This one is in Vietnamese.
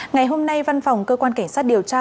ngày hôm nay văn phòng cơ quan cảnh sát điều tra